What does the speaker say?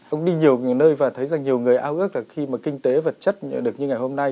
ông đi nhiều nơi và thấy rằng nhiều người ao ước là khi mà kinh tế vật chất được như ngày hôm nay